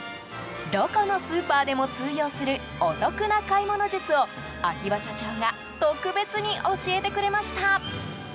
どこのスーパーでも通用するお得な買い物術を秋葉社長が特別に教えてくれました。